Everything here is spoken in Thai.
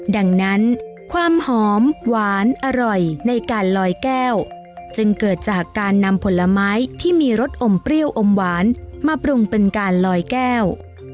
ดังนั้นความหอมหวานอร่อยในการลอยแก้วจึงเกิดจากการนำผลไม้ที่มีรสอมเปรี้ยวอมหวานมาปรุงเป็นการลอยแก้ว